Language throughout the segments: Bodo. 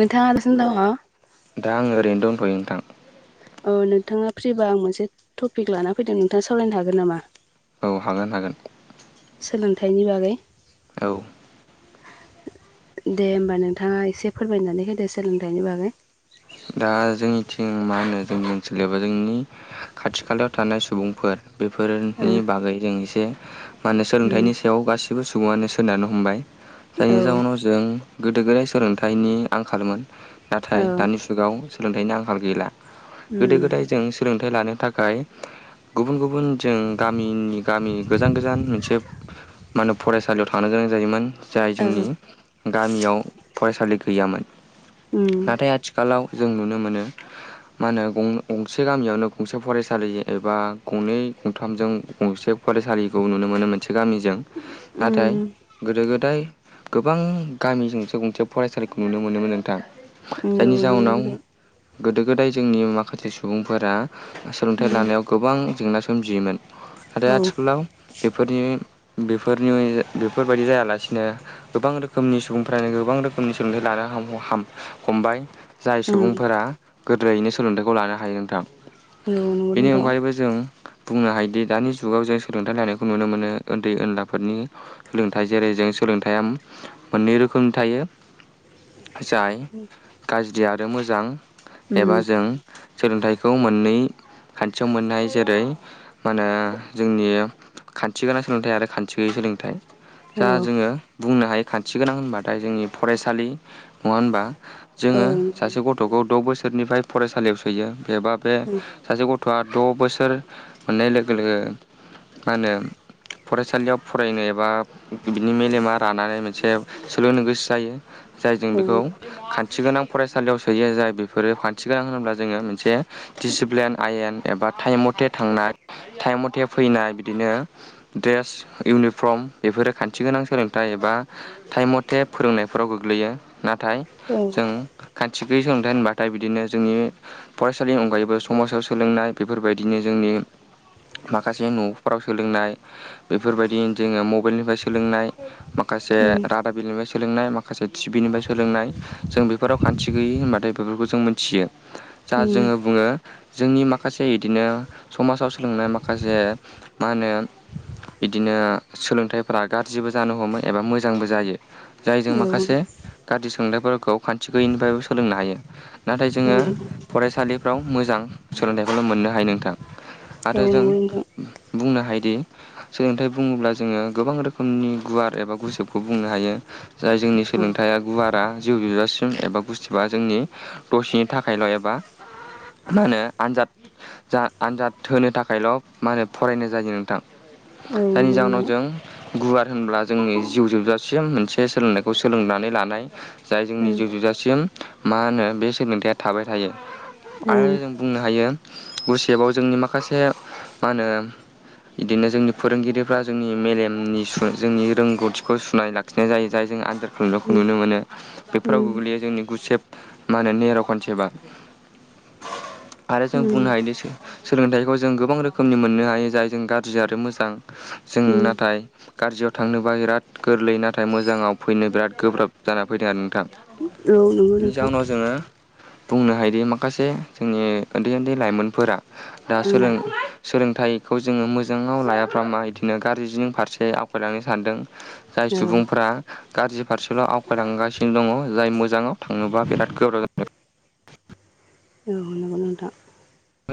नोंथाङा [unintelligible] दङ दा आङो ओरैनो दोंथयो नोंथां। औ नोंथांङा फ्रिबा आं मोनसे टपिक लाना फैदों नोंथांङा सावरायनो हागोन नामा? औ हागोन हागोन। सोलोंथाइनि बागै औ। दे होमबा नोंथांङा एसे फोरमायनानै होदो सोलोंथाइनि बागै। दा जोंनिथिं मा होनो जोंनि ओनसोलबा जोंनि खाथि खालायाव थानाय सुबुंफोर बेफोरनि ओ बागै जों एसे मा होनो उम सोलोंथाइनि बेयाव गाससिबो सुबुंङानो सोनारनो हमबाय औ जायनि जउनाव जों गोदो गोदाय सोलोंथाइनि आंखालमोन। औ नाथाय दानि जु गाव सोलोंथाइनि आंखाल गैला। गोदो गोदाय उम जों सोलोंथाइ लानो थाखाय गुबुन गुबुन जों गामिनि गामि गोजान गोजान मोनसे मा होनो फरायसालियाव थांनो गोनां जायोमोन जाय औ जोंनि गामियाव फरायसालि गैयामोन। उम नाथाय आथि लाव जों नुनो मोनो मा होनो गं गंसे गामियावनो गंसे फरायसालि एबा गंनै गंथामजों गंसे फरायसालिखौ नुनो मोनो मोनसे गामिजों। उम नाथाय गोदो गोदाय गोबां गामिजोंसो गंसे फरायसालिखौ नुनो मोनोमोन नोंथां। उम औ जायनि नंगौ नोंथां जाउनाव गोदो गोदाय जोंनि माखासे सुबुंफोरा सोलोंथाइ लानायाव उम गोबां जेंना सोमजियोमोन। नथाय औ आथिखालाव बेफोरनि बेफोरनि बेफोरबायदि जायालासिनो गोबां रोखोमनि सुबुंफ्रानो गोबां रोखोमनि सोलोंथाइ लानो हाम हमबाय जाय उम सुबुंफोरा गोदैनो सोलोंथाइखौ लानो हायो नोंथां। औ नंगौ बेनि नोंथां अनगायैबो जों। बुंनो हायोदि दानि जुगाव जों सोलोंथाइ लानायखौ नुनो मोनो ओन्दै ओनलाफोरनि सोलोंथाइ जेरै जों सोलोंथाइया मोननै रोखोमनि थायो जाय [inaudible] गाज्रि आरो मोजां उम एबा जों सोलोंथाइखौ मोननै खान्थियाव मोननाय जेरै मा होनो जोंनि खान्थि गोनां सोलोंथाइ आरो खान्थि गैयै सोलोंथाइ औ जा जोङो बुंनो हायो खान्थि गोनां होनबाथाय जोंनि फरायसालि नङा होनबा औ जोङो नंगौ सासे गथ'खौ द' बोसोरनिफ्राय फरायसालियाव सोयो एबा बे उम सासे गथ' गथ'आ द' बोसोर मोननाय लोगो लोगो मा होनो फरायसालियाव फरायनो एबा बिनि मेलेमा रानानै मोनसे सोलोंनो गोसो जायो जाय जों औ उम औ बेखौ खान खान्थि गोनां फरायसालियाव सोयो जाय बेफोरो खान्थि गोनां होनोब्ला जोङो मोनसे दिसिप्लिन आयेन एबा टाइम मथे थांनाय टाइम मथे फैनाय बिदिनो ड्रेस इउनिफर्म बेफोरो खान्थि गोनां सोलोंथाइ एबा टाइम मथे फोरोंनायफोराव गोग्लैयो नाथाय औ जों खान्थि गैयि सोलोंथाइ होनबाथाय बिदिनो जोंनि फरायसालिनि अनगायैबो समाजाव सोलोंनाय बेफोरबायदिनो जोंनि माखासे न'फ्राव सोलोंनाय बेफोरबायदि जोङो मबाइलनिफ्राय सोलोंनाय माखासे रादाब बिलयनिफ्राय सोलोंनाय माखासे टिभिनिफ्राय सोलोंनाय जों बेफोराव खान्थि गैयि होनबाथाय बेफोरखौ जों मिथियो। जा जोङो बुङो जोंनि माखासे इदिनो समाजाव सोलोंनाय माखासे मा होनो इदिनो सोलोंथाइफोरा गाज्रिबो जानो हमो एबा मोजांबो जायो। जायजों माखासे गाज्रि सोंनायफोरखौ खान्थि गैयिनिफ्रायबो सोलोंनो हायो। नाथाय जोङो फरायसालिफ्राव मोजां सोलोंथाइखौल' मोननो हायो नोंथां। आरो नंगौ जों नोंथां बुंनो हायोदि सोलोंथाइ बुङोब्ला जोङो गोबां रोखोमनि गुवार एबा गुजोबखौ बुंनो हायो जाय जोंनि औ सोलोंथाइया गुवारा जिउ जोबजासिम [unintelligible] एबा गुसथिबा जोंनि दसेनि थाखायल' एबा मा होनो आनजाद जा आनजाद होनो थाखायल' मा होनो फरायनाय जायो नोंथां जायनि नंगौ जाहोनाव जों नोंथां गुवार होनब्ला जोंनि जिउ जोबजासिम मोनसे सोलोंनायखौ सोलोंनानै लानाय जाय जोंनि जिउ जोबजासिम मा होनो बे सोलोंथायाइया थाबाय थायो औ आरो औ जों बुंनो हायो गुसेबाव जोंनि माखासे मा होनो इदिनो जोंनि फोरोंगिरिफ्रा जोंनि मेलेमनि सु जोंनि रोंगौथिखौ सुनाय लाखिनाय जायो जायजों आनजा [unintelligible] उम नुनो मोनो बेफोराव उम गोग्लैयो जोंनि गुसेब मा होनो नेर' खनसेबा आरो जों बुंनो उम हायोदि सो सोलोंथाइखौ जों गोबां रोखोमनि मोननो हायो जाय जों गाज्रि आरो मोजां जों उम नाथाय गाज्रियाव थांनोबा बिराद गोरलै नाथाय मोजाङाव फैनो बिराद गोब्राब जाना फैदों आरो नोंथां। औ नंगौ बिनि नोंथां जाउनाव जोङो बुंनो हायोदि माखासे जोंनि उन्दै उन्दै लाइमोनफोरा दा उम सोलों सोलोंथाइखौ जोङो मोजाङाव लायाफ्रामा इदिनो गारजिनि फारसे [unintelligible] सानदों जाय औ सुबुंफ्रा गाज्रि फारसेल' आवगायलांगासिनो दङ। जाय मोजाङाव थाङोबा बिराद गोब्राब जायो औ नांगौ नोथां।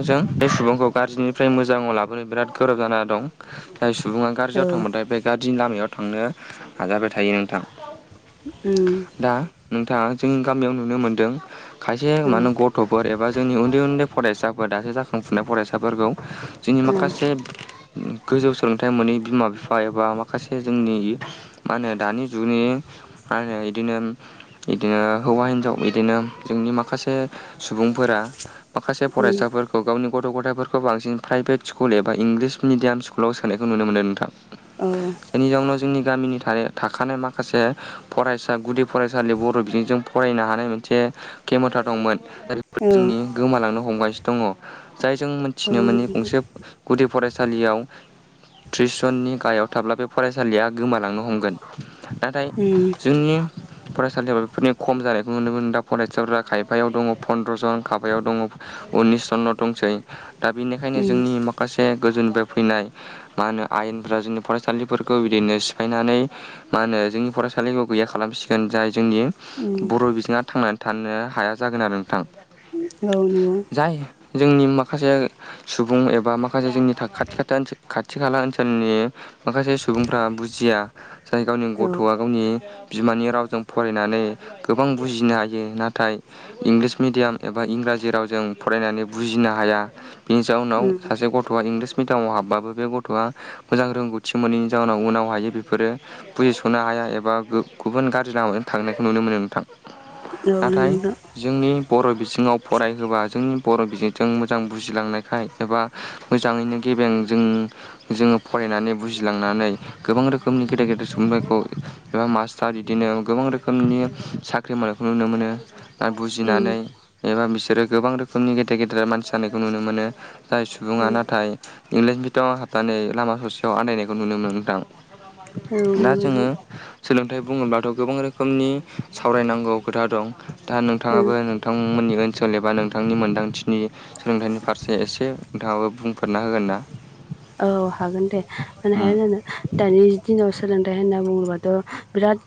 जों बे सुबुंखौ गाज्रिनिफ्राय मोजाङाव लाबोनो बिराद गोब्राब जाना दं। जाय सुबुङा गाज्रियाव औ थांबबायथाय बे गाज्रिनि लामायाव थांनो नाजाबाय थायो नोंथां। उम। दा नोंथाङा जोंनि गामियाव नुनो मोनदों खायसे औ उम औ मान गथ'फोर एबा जोंनि उन्दै उन्दै फरायसा दासो जाखांफुनाय फरायसाफोरखौ जोंनि औ औ नंगौ माखासे गोजौ सोलोंथाइ मोनै बिमा बिफा एबा माखासे जोंनि मा होनो दानि जुगनि मा होनो इदिनो इदिनो हौवा हिनजाव इदिनो जोंनि माखासे सुबुंफोरा माखा फरायसाफोरखौ गावनि गथ' गथथायफोरखौ बांसिन प्राइभेट स्कुल एबा इंलिस मिडियाम स्कुलाव सोनायखौ नुनो मोनो नोंथां। उम बेनि जाउनाव जोंनि गामिनि था थाखानाय माखासे फरायसा गुदि फरायसालि बर' बिजोंजों फरायनो हानाय मोनसे खेमथा दंमोन। [unintelligible] जोंनि गोमालांनो हमगासिनो दङ जाय जों उम औ नंगौ औ उम औ मिथिनो नंगौ नोंथां उम औ मोननि गंसे गुदि फरायसालियाव त्रिस जननि गाहायाव थाब्ला बे फरायसालिया गोमालांनो हमगोन नाथाय जोंनि फरायसालियाव बेफोरनि खम जानायखौ नुनो मोनो दा फरायसाफोरा खायफायाव दङ फन्द्र' जन खायफायाव दङ उननिसजन' दंसै दा बेनिखायनो जोंनि माखासे गोजौनिफ्राय फैनाय मा होनो आयेनफोरा जोंनि फरायसालिफोरखौ बिदिनो सिफायनानै मा होनो जोंनि फरायसालिखौ गैया खालामसिगोन जाय जोंनि बर' औ बिजोङा थांनानै थानो हाया जागोन आरो नोंथां। ओ नंगौ। जाय जोंनि माखासे सुबुं एबा माखासे जोंनि खाथि खाथा ओनसोल खाथि खाला ओनसोलनि माखासे सुबुंफ्रा बुजिया जाय गावनि गथ'आ गावनि बिमानि रावजों फरायनानै गोबां बुजिनो हायो नाथाय इंलिस मिडयाम एबा इंराजि जेराव जों फरायनानै बुजिनो हाया बिनि जाउनाव सासे गथ'आ इंलिस मिडामाव हाबबाबो बे गथ'आ मोजां रोंगौथि मोनैनि जाउनाव उनाव हायो बेफोरो बुजिस'नो हाया एबा गुबुन गाज्रि लामाजों थांनायखौ नुनो मोनो नोंथां। नाथाय जोंनि बर' बिजोङाव फरायहोबा जोंनि बर' बिजोंजों मोजां बुजिलांनायखाय एबा मोजाङैनो गेबें जों जोंङो फरायनानै बुजिलांनानै गोबां रोखोमनि गेदेर गेदेर सुबुंफोरखौ एबा मास्टार बिदिनो गोबां रोखोमनि साख फख्रिमानायखौ नुनो मोनो ना बुजिनानै एबा बिसोरो गोबां रोखोमनि गेदेर गेदेर मानसि जानायखौ नुनो मोनो जाय सुबुङा नाथाय इंलिस मिडयामाव हाबनानै लामा ससेयाव आन्दायनायखौ नुनो मोनदां दा नंगौ जोङो नोंथां सोलोंथाइ बुङोब्लाथ' गोबां रोखोमनि सावरायनांगौ खोथा दं दा उम नोंथाङाबो नोंथां बिथांमोननि ओनसोल एबा नोंथांनि मोन्दांथिनि सोलोंथाइनि फारसे एसे नोंथाङाबो बुंफोरेरना होगोन ना औ हागोन दे मानो उम हाया जानो दानि दिनाव सोलोंथाइ होनना बुङोबाथ बिराद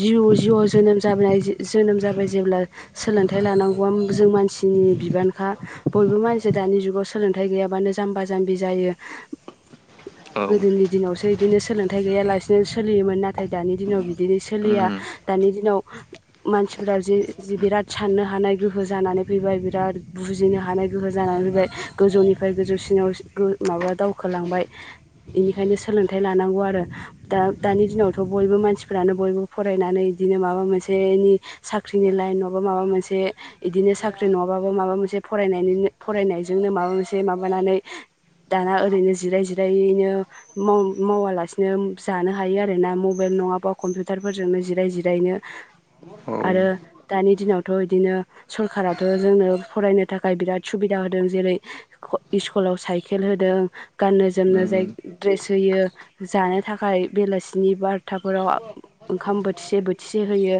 जि जिअ जोनोम जाबोनाय जोनोम जाबाय जेब्ला सोलोंथाइ लानांगौआ जों मानसिनि बिबानखा बयबो मानसि जे दानि जुगाव सोलोंथाइ गैयाबानो जाम्बा जाम्बि जायो औ गोदोनि दिनावसो बिदिनो सोलोंथाइ गैयालासिनो सोलियोमोन नाथाय दानि दिनाव बिदिनो सोलिया उम दानि दिनाव मानसिफोरा ज बिराद साननो हानाय गोहो जानानै फैबाय बिराद बुजिनो हानाय गोहो जानानै फैबाय गोजौनिफ्राय गोजौसिनाव गो माबा दावखोलांबाय बेनिखायनो सोलोंथाइ लानांगौ आरो दा दानि दिनावथ बयबो मानसिफ्रानो बयबो फरायनानै बिदिनो माबा मोनसेनि साख्रिनि लाइन नाबा माबा मोनसे इदिनो साख्रि नङाबाबो माबा मोनसे फरायनायनि फरायनायजोंनो माबा मोनसे माबानानै दाना ओरैनो जिराय जिरायैनो मावालासिनो जानो हायो आरोना मबाइल नङाबा कम्पिउटारफोरजोंनो जिराय जिरायनो औ उम आरो दानि दिनावथ' बिदिनो सरखाराथ' जोंनो फरायनो थाखाय बिराद सुबिदा होदों जेरै स्कुलाव साइकेल होदों गाननो जोमनो उम जाय ड्रेस होयो जानो थाखाय बेलासिनि बार हपथाफोराव ओंखाम बोथिसे बोथिसे होयो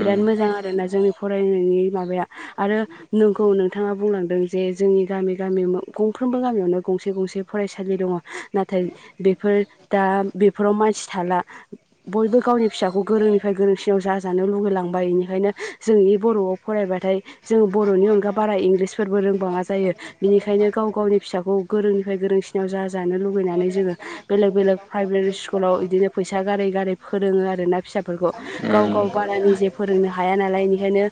बिराद मोजां आरो ना जोंनि फरायनायनि माबाया आरो नोंखौ नोंथाङा बुंलांदों जे जोंनि गामि गामि गंफ्रोमबो गामियावनो गंसे गंसे फरायसालि दंङ नाथाय बेफोर दा बेफोराव मानसि थाला बयबो गावनि फिसाखौ गोरोंनिफ्राय गोरोंसिनाव जाजानो लुगैलांबाय बेनिखायनो जों बे बर'आव फरायबाथाय जों बर'नि अनगा बारा इंलिसफोरबो रोंबाङा जायो बिनिखायनो गाव गावनि फिसाखौ गोरोंनिफ्राय गोरों जानो लुुबैनानै जोंङो बेलेग बेलेग प्राइभेट स्कुलाव बिदिनो फैसा गारि ग फोरोङो आरोना फिसाफोरखौ औ उम गाव गाव बारानि जे फोरोंनो हाया नालाय बेनिखायनो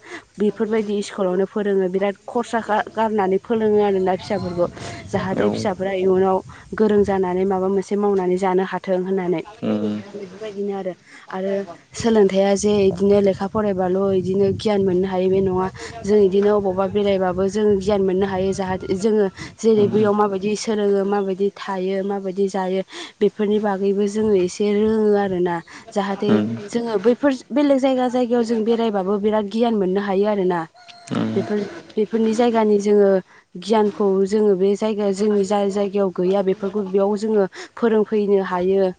बेफोरबायदि स्कुलावनो फोरोङो बिराद खरसा गारनानै फोरोङो आरोना फिसाफोरखौ जाहाथे फिसाफोरा इयुनाव गोरों जानानै माबा मोनसे मावनानै जानो हा थाथों होननानै उम उम बेफोरबायदिनो आरो आरो सोलोंथाइया जे बिदिनो लेखा फरायबाल' बिदिनो गियान मोननो हा हायो बे नङा जों बिदिनो अबावबा बेरायबाबो जों गियान मोननो हायो जाहाथे जोंङो जेरै बैयाव माबायदि सोलोङो माबायदि थायो माबायदि जायो बेफोरनि बागैबो जोङो एसे जे रोङो आरोना जाहाथे जोङो बैफोर बेलेग जायगा जायगायाव जों बेरायबाबो बिराद गियान मोननो हायो आरोना बेफोर बेफोरनि जायगानि जोङो गियानखौ जोङो बे जायगायाव जोंनि जाय जायगायाव गैया बेफोरखौ बेयाव जोङो फोरोंफैनो हायो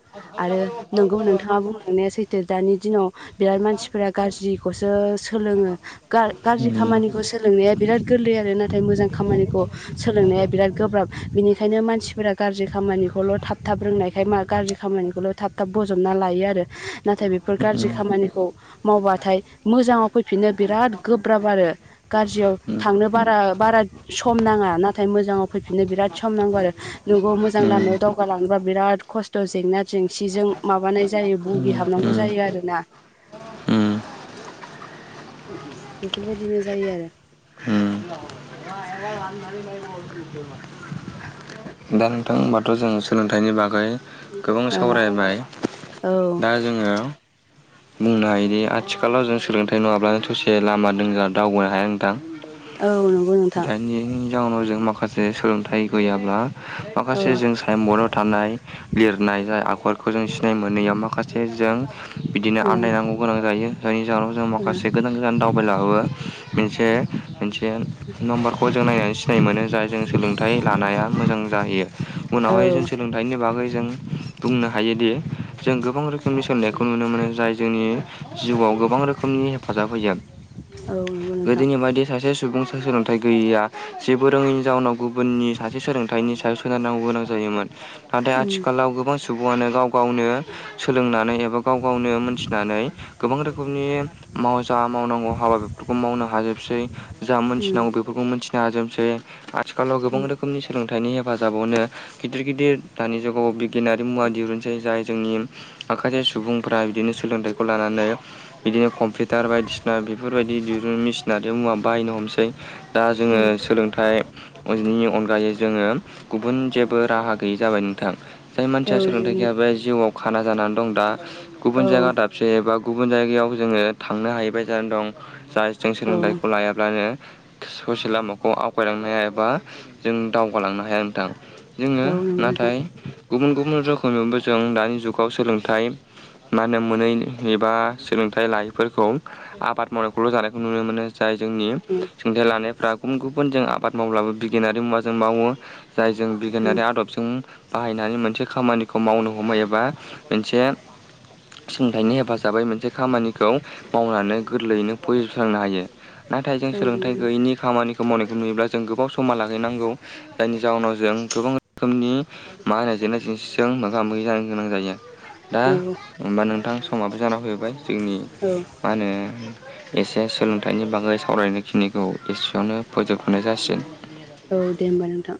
आरो नोंगौ नोंथाङा बुंलांनाया सैथो दानि दिनाव बिराद मानसिफोरा गाज्रिखौसो सोलोङो गाज्रि खामानिखौ सोलोंनाया बिराद गोरलै आरो नाथाय मोजां खामानिखौ सोलोंनाया बिराद गोब्राब बिनिखायनो मानसिफोरा गाज्रि खामानिखौल‌थाब थाब रोंनायखाय गाज्रि खामानिखौल थाब थाब बजबना लायो आरो नाथाय बेफोर गाज्रि खामानिखौ मावबाथाय मोजांङाव फैफिननो बिराद गोब्राब आरो गाज्रियाव थांनो बारा बारा सम नाङा। नाथाय मोजाङाव फैफिननो बिराद सम नांगौ आरो नंगौ मोजांं लामायाव दाव गा लांनोबा बिराद खस्थ' जेंना जेंसिजों माबानाय जायो बुगिहाबनांगौ उम जायो आरोना। बेफोरबायदिनो जायो आरो। [inaudible] [inaudible] दा नोंथां होमबाथ' जों सोलोंथाइनि बागै गोबां सावरायबाय। ओ दा जोङो बुंनो हायोदि आथिखालाव जों सोलोंथाइ नङाब्लानो ससे लामा दोंगा दावबायनो हाया नोंथां। औ नंगौ नोंथां। [unintelligible] नि जाउनाव जों माखासे सोलोंथाइ गैयाब्ला औ माखासे जों चाइम बराव थानाय लिरनाय जाय आखरखौ जों सिनाय मोनैयाव माखासे जों बिदिनो ओ आन्दायनांगौ गोनां जायो। जायनि जाहोनाव जों माखासे गोजान गोजान दावबायलाङोबा मोनसे मोनसे नामबार खौ जों नायनानै सिनाय मोनो। जाय जों सोलोंथाइ लानाया मोजां जाहैयो ओ उनावहाय जों औ सोलों थाइनि बागै जों बुंनो हायोदि जों गोबां रोखोमनि सोलोंनायखौ नुनो मो मोनो जाय जोंनि जिउआव गोबां रोखोमनि हेफाजाब होयो। औ नंगौ नोंथां गोदोनि बादि सासे सुबुं सोलोंथाइ गैयैया, जेबो रोङैनि जाउनाव गुबुननि सासे सोलोंथाइनि सायाव सोनारनांगौ गोनां जायोमोन। नाथाय उम आथिखालाव गोबां सुबुङानो गाव गावनो सोलोंनानै एबा गाव गावनो मोनथिनानै गोबां रोखोमनि माव जा मावनांगौ हाबा बेफोरखौ मावनो हाजोबसै। जा उम मोनथिनांगौ बेफोरखौ मोनथिनो हाजोबसै। आथिखालाव गोबां उम रोखोमनि सोलोंथाइनि हेफाजाबावनो गिदिर गिदिर दानि जुगाव बिगियानारि मुवा दिरुनसै। जाय जोंनि माखासे सुबुंफ्रा बिदिनो सोलोंथाइखौ लानानै बिदिनो कम्पिउटार बायदिसिना बेफोरबाय दिरुन मेसिन आरो मुवा बायनो हमसै। दा जोङो उम सोलोंथाइनि अनगायै जोङो गुबुन जेबो राहा गैयै जाबाय नोंथां। जाय मानसिया औ सोलोंथाइ नंगौ गैयाबा जिउआव खाना जानानै दं दा गुबुन औ जायगा दाब से बा गुबुन जायगायाव जोङो थांनो हाहै बाय जानानै दं। जाय जों औ सोलोंथाइखौ लायाब्लानो ससे लामाखौ आवगायलांनो हाया एबा जों दावगालांनो हाया नोंथां। जोङो औ नंगौ नोंथां नाथाय गुबुन गुबुन रोखोमैबो जों दानि जुगाव सोलोंथाइ मा होनो मोनै एबा सोलोंथाइ लायैफोरखौ आबाद मावनायखौल' जानायखौ नुनो मोनो। जाय जोंनि उम सोलोंथाइ लानायफ्रा गुबुन गुबुन जों आबाद मावब्लाबो बिगियानारि मुवा जों मावो। जाय जों उम बिगियानारि आदबजों बाहायनानै मोनसे खामानिखौ मावनो हमो एबा मोनसे सोलोंथाइनि हेफाजाबै मोनसे खामानिखौ मावनानै गोरलैयैनो फोजोबस्रांनो हायो। नाथाय जों औ नंगौ सोलोंथाइ नोंथां गैयैनि खामानिखौ मावनायखौ नुयोब्ला जों गोबाव समा लागै नांगौ। जायनि जाहोनाव जों गोबां रोखोमनि मा होनो जेंना जोंसिजों मोगा मोगि जानो गोनां जायो। दा औ हबा नोंथां समाबो जाना फैबाय जोंनि औ। मा होनो एसे सोलोंथाइनि बागै सावरायनायखिनिखौ एसेयावनो फोजोबनाय जासिगोन। औ दे होमबा नोंथां।